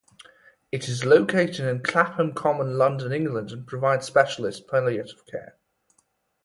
It is located in Clapham Common, London, England and provides specialist palliative care.